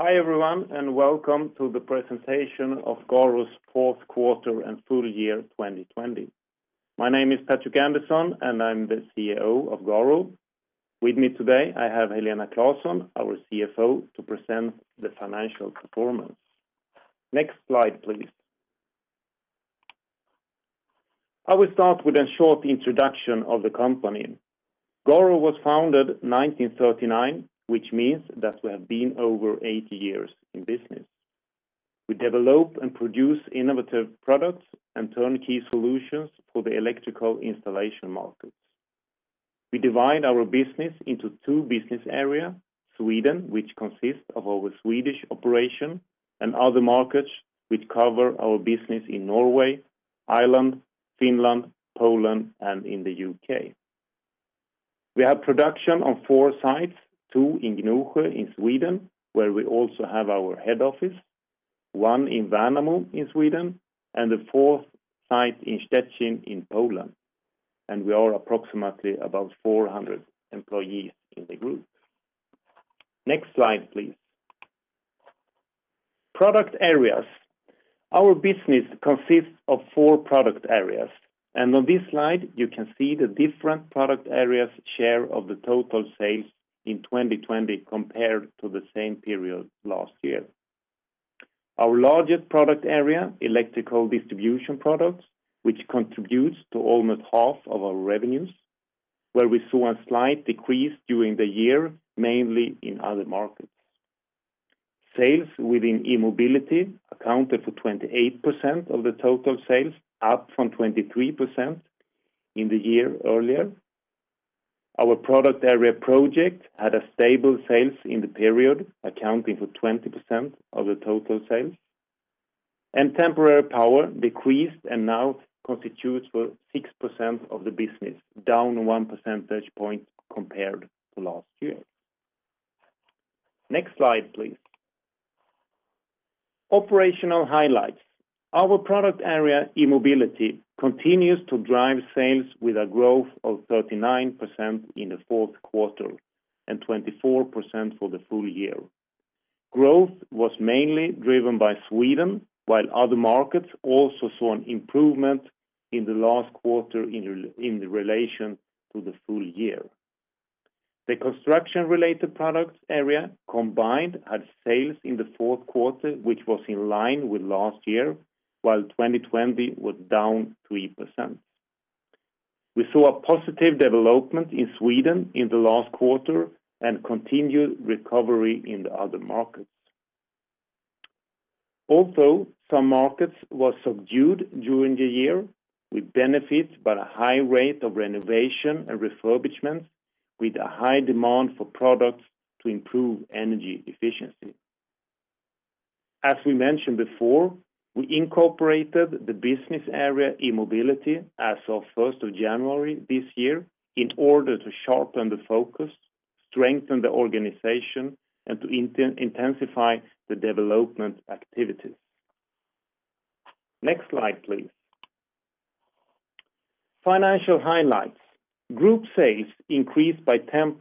Hi everyone, and welcome to the presentation of Garo's Fourth Quarter and Full Year 2020. My name is Patrik Andersson, and I'm the CEO of Garo. With me today, I have Helena Claesson, our CFO, to present the financial performance. Next slide, please. I will start with a short introduction of the company. Garo was founded 1939, which means that we have been over 80 years in business. We develop and produce innovative products and turnkey solutions for the electrical installation markets. We divide our business into two business areas: Sweden, which consists of our Swedish operation, and other markets, which cover our business in Norway, Ireland, Finland, Poland, and in the U.K. We have production on four sites, two in Gnosjö in Sweden, where we also have our head office, one in Värnamo in Sweden, and the fourth site in Szczecin in Poland. We are approximately about 400 employees in the group. Next slide, please. Product areas. Our business consists of four product areas, and on this slide, you can see the different product areas' share of the total sales in 2020 compared to the same period last year. Our largest product area, Electrical distribution products, which contributes to almost half of our revenues, where we saw a slight decrease during the year, mainly in other markets. Sales within E-mobility accounted for 28% of the total sales, up from 23% in the year earlier. Our product area Project had a stable sales in the period, accounting for 20% of the total sales. Temporary power decreased and now constitutes for 6% of the business, down one percentage point compared to last year. Next slide, please. Operational highlights. Our product area, E-mobility, continues to drive sales with a growth of 39% in the fourth quarter and 24% for the full year. Growth was mainly driven by Sweden, while other markets also saw an improvement in the last quarter in relation to the full year. The construction-related products area combined had sales in the fourth quarter, which was in line with last year, while 2020 was down 3%. We saw a positive development in Sweden in the last quarter and continued recovery in the other markets. Although some markets were subdued during the year, we benefit by a high rate of renovation and refurbishment with a high demand for products to improve energy efficiency. As we mentioned before, we incorporated the business area E-mobility as of 1st of January this year in order to sharpen the focus, strengthen the organization, and to intensify the development activities. Next slide, please. Financial highlights. Group sales increased by 10%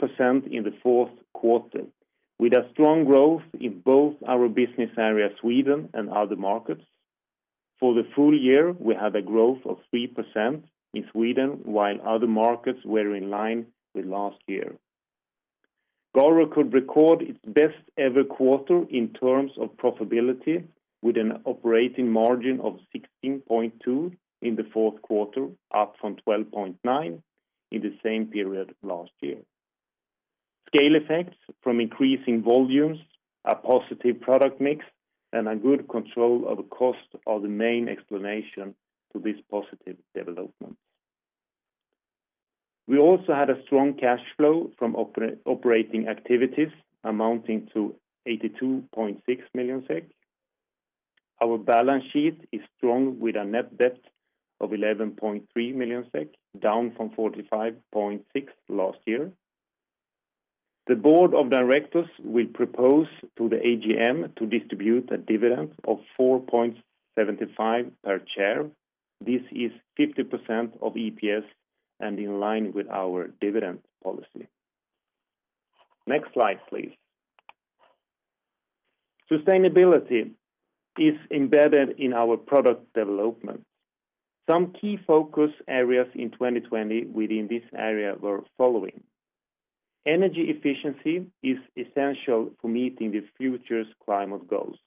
in the fourth quarter, with a strong growth in both our business area, Sweden and other markets. For the full year, we had a growth of 3% in Sweden, while other markets were in line with last year. Garo could record its best ever quarter in terms of profitability with an operating margin of 16.2% in the fourth quarter, up from 12.9% in the same period last year. Scale effects from increasing volumes, a positive product mix, and a good control of the cost are the main explanation to this positive development. We also had a strong cash flow from operating activities amounting to 82.6 million SEK. Our balance sheet is strong with a net debt of 11.3 million SEK, down from 45.6 million last year. The board of directors will propose to the AGM to distribute a dividend of 4.75 per share. This is 50% of EPS and in line with our dividend policy. Next slide, please. Sustainability is embedded in our product development. Some key focus areas in 2020 within this area were following. Energy efficiency is essential for meeting the future's climate goals.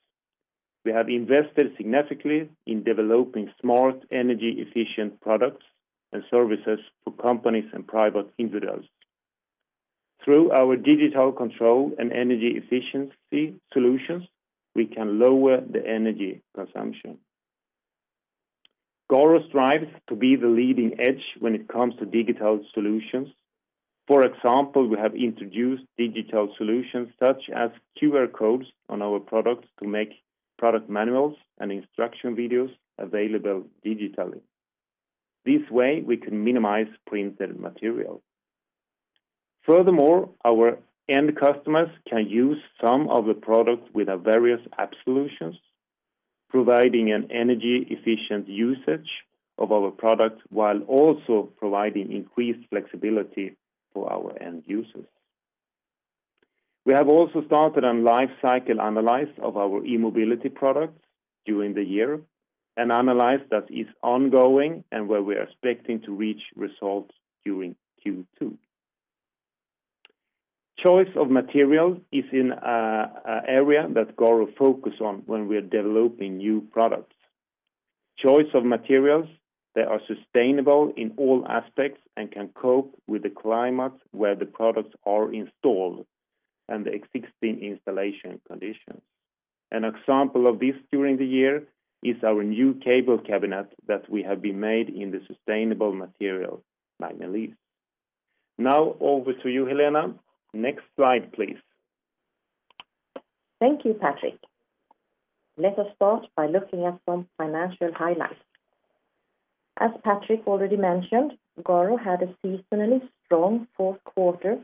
We have invested significantly in developing smart energy-efficient products and services for companies and private individuals. Through our digital control and energy efficiency solutions, we can lower the energy consumption. Garo strives to be the leading edge when it comes to digital solutions. We have introduced digital solutions such as QR codes on our products to make product manuals and instruction videos available digitally. This way, we can minimize printed material. Furthermore, our end customers can use some of the products with our various app solutions, providing an energy efficient usage of our products while also providing increased flexibility for our end users. We have also started on life cycle analysis of our E-mobility products during the year, an analysis that is ongoing and where we are expecting to reach results during Q2. Choice of materials is an area that Garo focus on when we are developing new products. Choice of materials that are sustainable in all aspects and can cope with the climate where the products are installed and the existing installation conditions. An example of this during the year is our new cable cabinet that we have been made in the sustainable material, Magnelis. Now over to you, Helena. Next slide, please. Thank you, Patrik. Let us start by looking at some financial highlights. As Patrik already mentioned, Garo had a seasonally strong fourth quarter,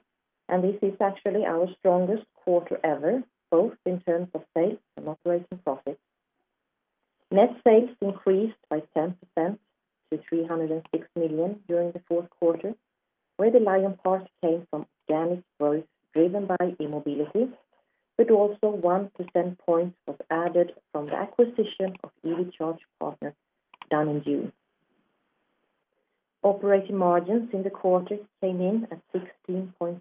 and this is actually our strongest quarter ever, both in terms of sales and operating profit. Net sales increased by 10% to 306 million during the fourth quarter, where the lion's part came from organic growth driven by E-mobility, but also 1% points was added from the acquisition of EV Charge Partner done in June. Operating margins in the quarter came in at 16.2%,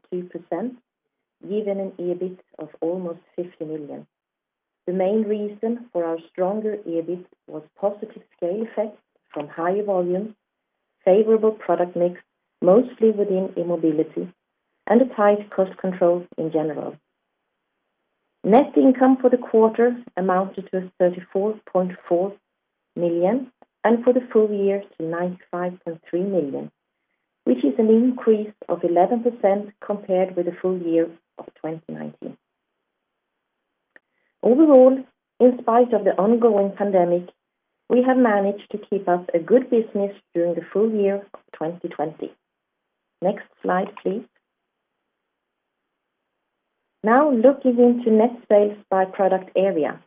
giving an EBIT of almost 50 million. The main reason for our stronger EBIT was positive scale effects from higher volumes, favorable product mix, mostly within E-mobility, and a tight cost control in general. Net income for the quarter amounted to 34.4 million and for the full year to 95.3 million, which is an increase of 11% compared with the full year of 2019. Overall, in spite of the ongoing pandemic, we have managed to keep up a good business during the full year of 2020. Next slide, please. Now looking into net sales by product area.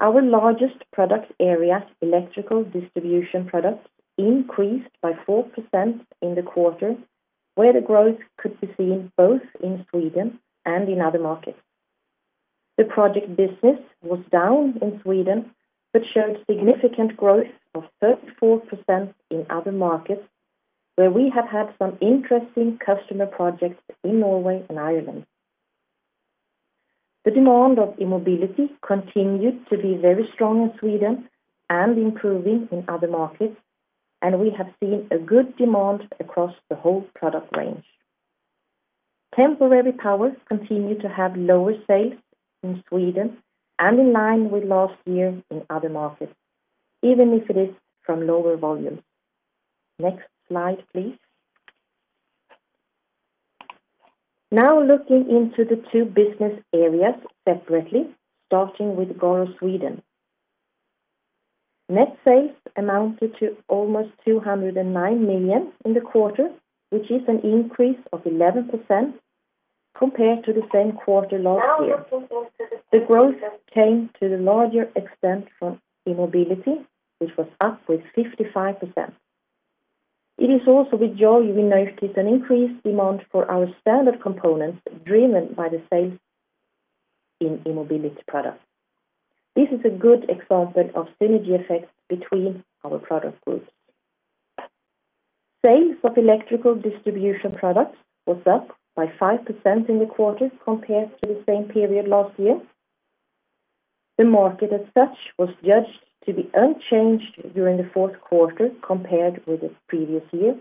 Our largest product area, Electrical distribution products, increased by 4% in the quarter, where the growth could be seen both in Sweden and in other markets. The Project business was down in Sweden, but showed significant growth of 34% in other markets, where we have had some interesting customer projects in Norway and Ireland. The demand of E-mobility continued to be very strong in Sweden and improving in other markets, and we have seen a good demand across the whole product range. Temporary power continued to have lower sales in Sweden and in line with last year in other markets, even if it is from lower volumes. Next slide, please. Looking into the two business areas separately, starting with Garo Sweden. Net sales amounted to almost 209 million in the quarter, which is an increase of 11% compared to the same quarter last year. The growth came to the larger extent from E-mobility, which was up with 55%. It is also with joy we noticed an increased demand for our standard components driven by the sales in E-mobility products. This is a good example of synergy effects between our product groups. Sales of Electrical distribution products was up by 5% in the quarter compared to the same period last year. The market as such was judged to be unchanged during the fourth quarter compared with the previous year,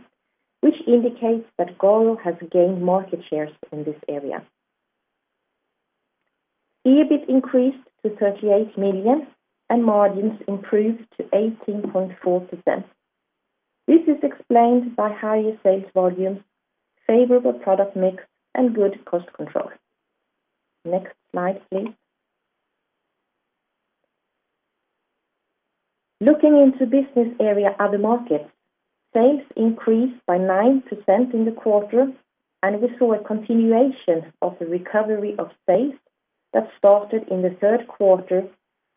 which indicates that Garo has gained market shares in this area. EBIT increased to 38 million and margins improved to 18.4%. This is explained by higher sales volumes, favorable product mix, and good cost control. Next slide, please. Looking into business area other markets, sales increased by 9% in the quarter, and we saw a continuation of the recovery of sales that started in the third quarter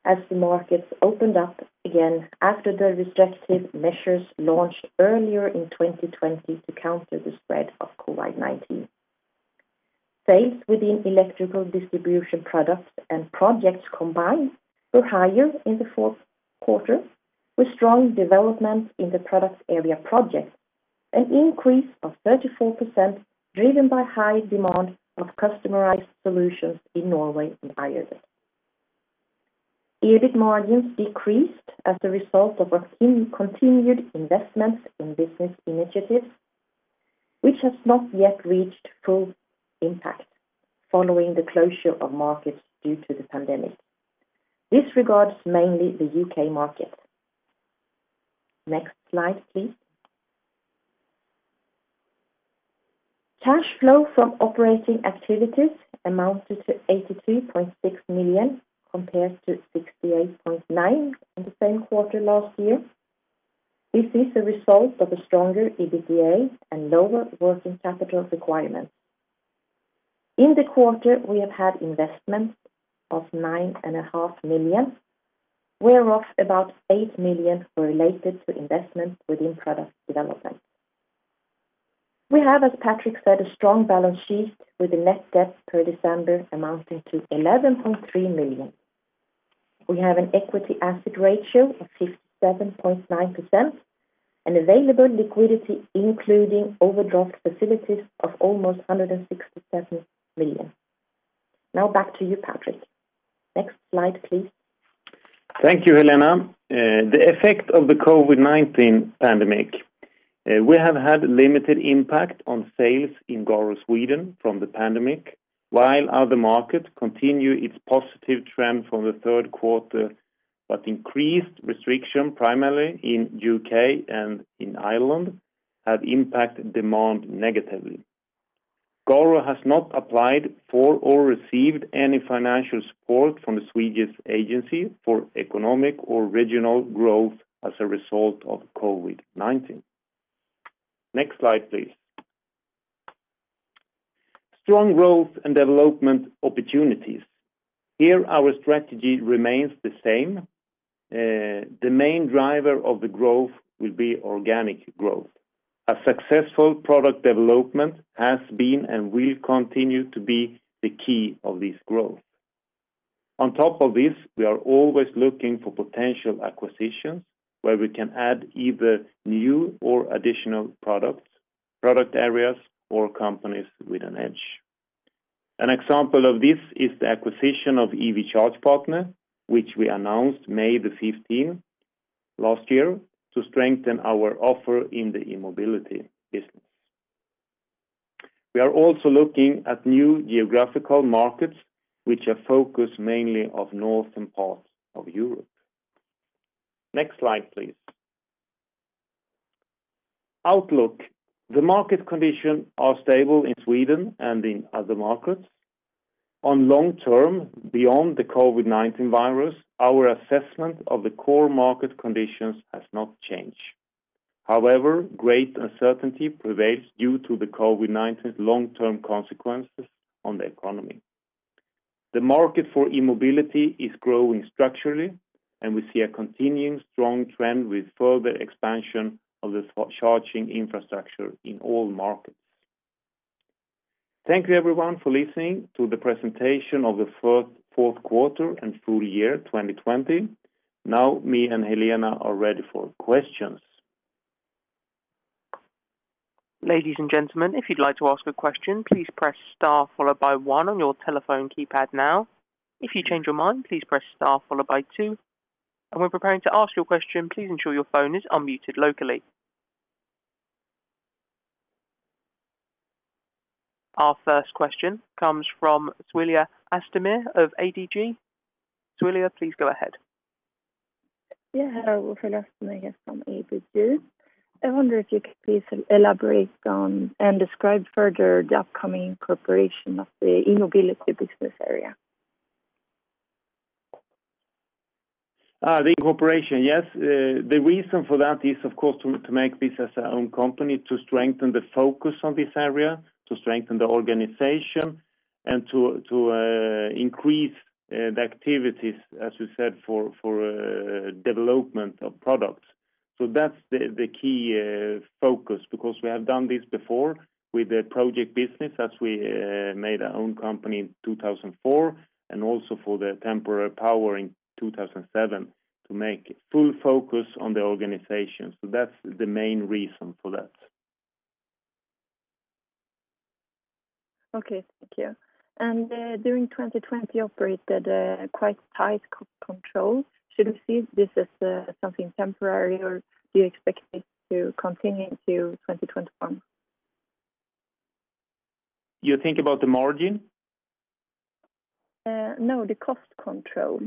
as the markets opened up again after the restrictive measures launched earlier in 2020 to counter the spread of COVID-19. Sales within electrical distribution products and projects combined were higher in the fourth quarter, with strong development in the product area projects, an increase of 34% driven by high demand of customized solutions in Norway and Ireland. EBIT margins decreased as a result of our continued investment in business initiatives, which has not yet reached full impact following the closure of markets due to the pandemic. This regards mainly the U.K. market. Next slide, please. Cash flow from operating activities amounted to 82.6 million compared to 68.9 in the same quarter last year. This is a result of a stronger EBITDA and lower working capital requirements. In the quarter, we have had investments of 9.5 million, where of about 8 million were related to investment within product development. We have, as Patrik said, a strong balance sheet with a net debt per December amounting to 11.3 million. We have an equity asset ratio of 67.9% and available liquidity, including overdraft facilities of almost 167 million. Now back to you, Patrik. Next slide, please. Thank you, Helena. The effect of the COVID-19 pandemic. We have had limited impact on sales in Garo Sweden from the pandemic, while other markets continue its positive trend from the third quarter, but increased restriction primarily in U.K. and in Ireland have impacted demand negatively. Garo has not applied for or received any financial support from the Swedish Agency for Economic and Regional Growth as a result of COVID-19. Next slide, please. Strong growth and development opportunities. Here our strategy remains the same. The main driver of the growth will be organic growth. A successful product development has been and will continue to be the key of this growth. On top of this, we are always looking for potential acquisitions where we can add either new or additional product areas or companies with an edge. An example of this is the acquisition of EV Charge Partner, which we announced May the 15th last year to strengthen our offer in the E-mobility business. We are also looking at new geographical markets, which are focused mainly of northern parts of Europe. Next slide, please. Outlook. The market conditions are stable in Sweden and in other markets. On long term, beyond the COVID-19 virus, our assessment of the core market conditions has not changed. However, great uncertainty prevails due to the COVID-19 long-term consequences on the economy. The market for E-mobility is growing structurally, and we see a continuing strong trend with further expansion of the charging infrastructure in all markets. Thank you everyone for listening to the presentation of the fourth quarter and full year 2020. Now me and Helena are ready for questions. Our first question comes from Suilia Astimir of ADG. Suilia, please go ahead. Hello. Suilia Astimir here from ADG. I wonder if you could please elaborate on and describe further the upcoming incorporation of the E-mobility business area. The incorporation. Yes. The reason for that is, of course, to make this as our own company, to strengthen the focus on this area, to strengthen the organization and to increase the activities, as we said, for development of products. That's the key focus, because we have done this before with the Project business as we made our own company in 2004, and also for the Temporary power in 2007 to make full focus on the organization. That's the main reason for that. Okay. Thank you. During 2020 operated quite tight control. Should we see this as something temporary, or do you expect it to continue into 2021? You think about the margin? No, the cost control.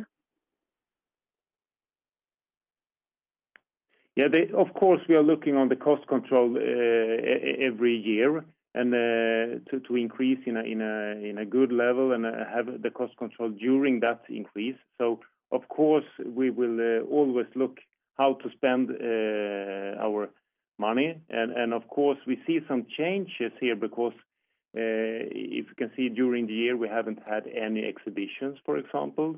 Yeah. Of course, we are looking on the cost control every year and to increase in a good level and have the cost control during that increase. Of course, we will always look how to spend our money. Of course, we see some changes here because if you can see during the year, we haven't had any exhibitions, for example,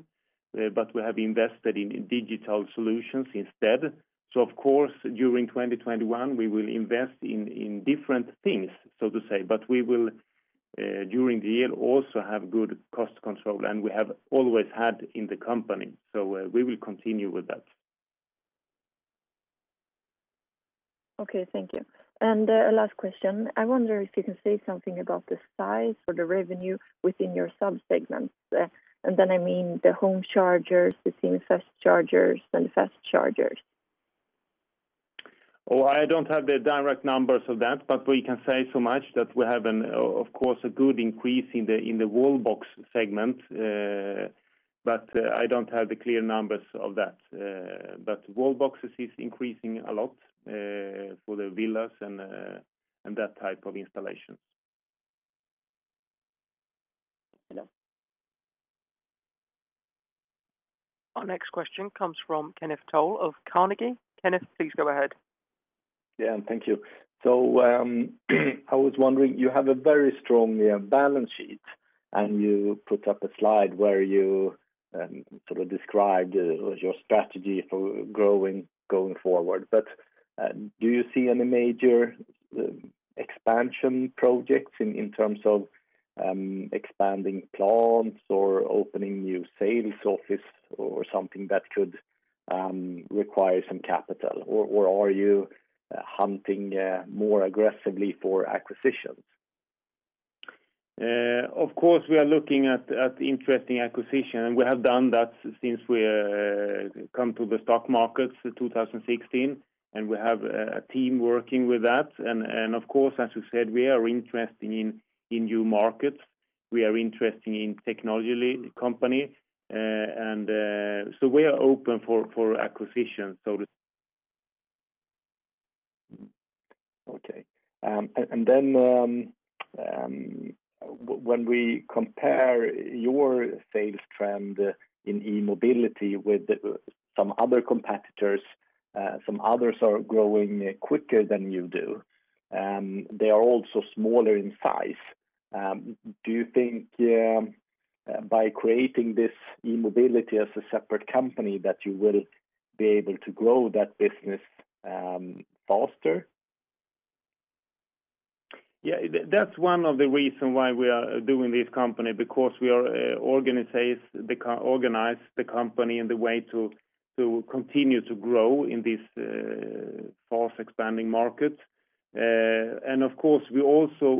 but we have invested in digital solutions instead. Of course, during 2021, we will invest in different things, so to say. We will, during the year, also have good cost control, and we have always had in the company. We will continue with that. Okay, thank you. A last question. I wonder if you can say something about the size or the revenue within your sub-segments. Then, I mean, the home chargers, the semi-fast chargers, and fast chargers. I don't have the direct numbers of that, but we can say so much that we have, of course, a good increase in the wall box segment. I don't have the clear numbers of that. Wall boxes is increasing a lot for the villas and that type of installations. Hello. Our next question comes from Kenneth Toll of Carnegie. Kenneth, please go ahead. Yeah. Thank you. I was wondering, you have a very strong balance sheet, and you put up a slide where you described your strategy for growing going forward. Do you see any major expansion projects in terms of expanding plants or opening new sales office or something that could require some capital? Or are you hunting more aggressively for acquisitions? Of course, we are looking at interesting acquisition, and we have done that since we come to the stock market in 2016, and we have a team working with that. Of course, as we said, we are interested in new markets, we are interested in technology company, and so we are open for acquisition. Okay. When we compare your sales trend in E-mobility with some other competitors, some others are growing quicker than you do. They are also smaller in size. Do you think by creating this E-mobility as a separate company that you will be able to grow that business faster? Yeah. That's one of the reason why we are doing this company, because we organize the company in the way to continue to grow in this fast expanding market. Of course, we also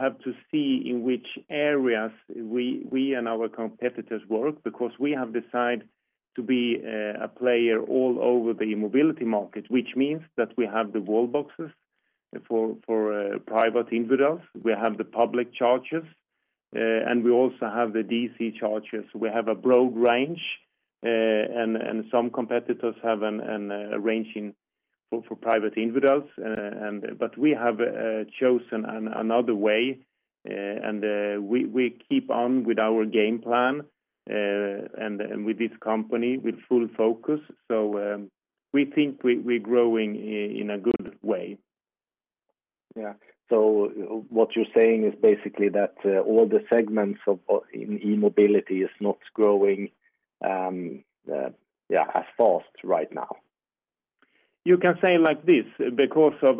have to see in which areas we and our competitors work, because we have decided to be a player all over the E-mobility market, which means that we have the wall boxes for private individuals, we have the public chargers, and we also have the DC chargers. We have a broad range, some competitors have an arranging for private individuals. We have chosen another way, and we keep on with our game plan, and with this company with full focus. We think we're growing in a good way. Yeah. What you're saying is basically that all the segments in E-mobility is not growing as fast right now? You can say like this, because of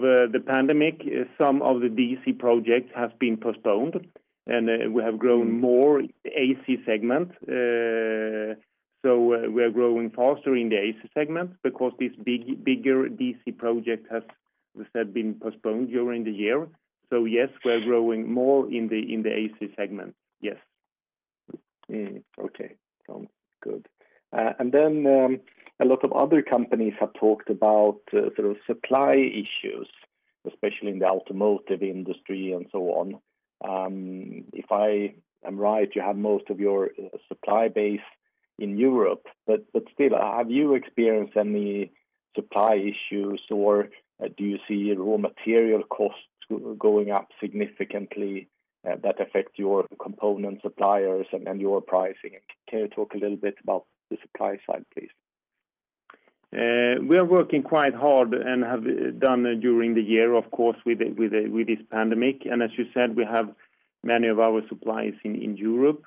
the pandemic, some of the DC projects have been postponed, and we have grown more AC segment. We are growing faster in the AC segment because this bigger DC project has, as I said, been postponed during the year. Yes, we're growing more in the AC segment. Yes. Okay. Sounds good. A lot of other companies have talked about sort of supply issues, especially in the automotive industry and so on. If I am right, you have most of your supply base in Europe, but still, have you experienced any supply issues, or do you see raw material costs going up significantly that affect your component suppliers and your pricing? Can you talk a little bit about the supply side, please? We are working quite hard and have done during the year, of course, with this pandemic. As you said, we have many of our suppliers in Europe.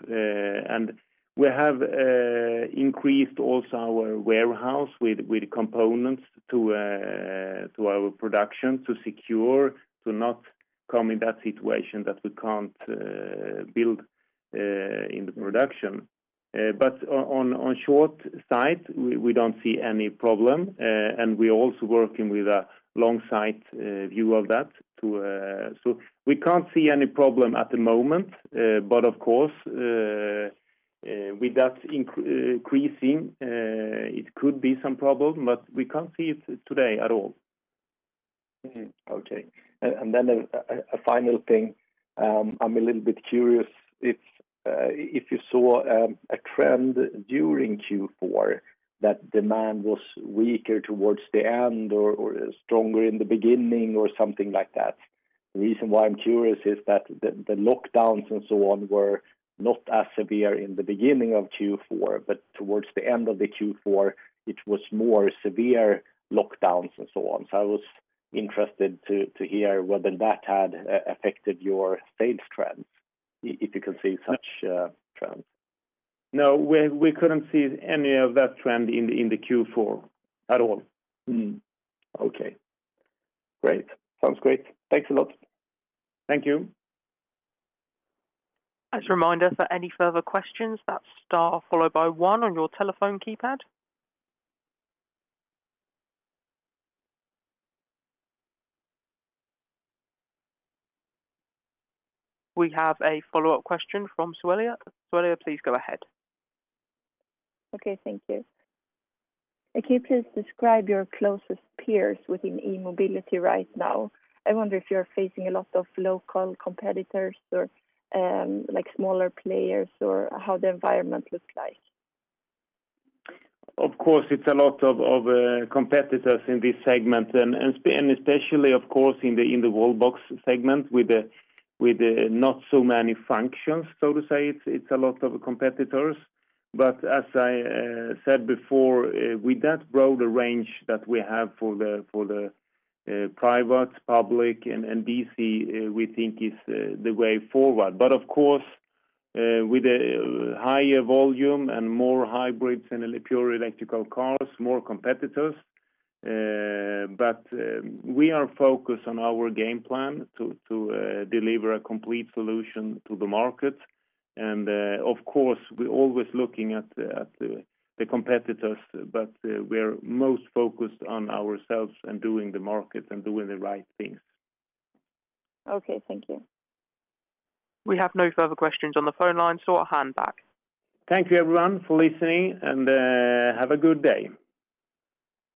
We have increased also our warehouse with components to our production to secure to not come in that situation that we can't build in the production. On short sight, we don't see any problem. We're also working with a long sight view of that. We can't see any problem at the moment. Of course, with that increasing, it could be some problem, but we can't see it today at all. Okay. Then a final thing. I'm a little bit curious if you saw a trend during Q4 that demand was weaker towards the end or stronger in the beginning or something like that. The reason why I'm curious is that the lockdowns and so on were not as severe in the beginning of Q4, towards the end of the Q4, it was more severe lockdowns and so on. I was interested to hear whether that had affected your sales trends, if you can see such trends. No, we couldn't see any of that trend in the Q4 at all. Okay, great. Sounds great. Thanks a lot. Thank you. We have a follow-up question from Suilia. Suilia, please go ahead. Okay, thank you. Can you please describe your closest peers within E-mobility right now? I wonder if you're facing a lot of local competitors or smaller players or how the environment looks like. Of course, it's a lot of competitors in this segment, and especially, of course, in the wall box segment with not so many functions, so to say, it's a lot of competitors. As I said before, with that broader range that we have for the private, public, and DC, we think is the way forward. Of course, with the higher volume and more hybrids and pure electrical cars, more competitors. We are focused on our game plan to deliver a complete solution to the market. Of course, we're always looking at the competitors. We're most focused on ourselves and doing the market and doing the right things. Okay, thank you. We have no further questions on the phone line. I'll hand back. Thank you, everyone, for listening, and have a good day.